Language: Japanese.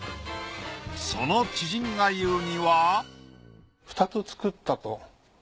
その知人が言うにははい。